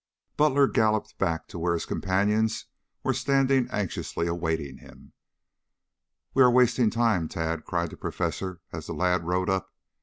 Butler galloped back to where his companions were standing anxiously awaiting him. "We are wasting time, Tad," cried the professor as the lad rode up.